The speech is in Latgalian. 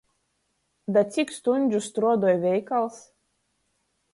Da cik stuņžu struodoj veikals?